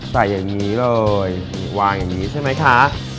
ใส่อย่างนี้เลยวางอย่างนี้ใช่ไหมคะ